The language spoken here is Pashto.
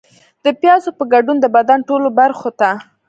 د پیازو په ګډون د بدن ټولو برخو ته